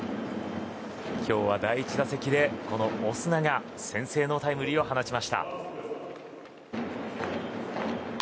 今日は第１打席でオスナが先制のタイムリーを放ちました。